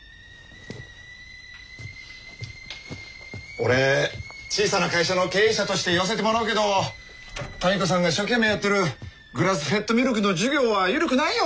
俺小さな会社の経営者として言わせてもらうけど民子さんが一生懸命やってるグラスフェッドミルクの事業は緩くないよ